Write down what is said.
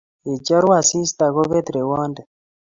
yechoru asista kobet rewonde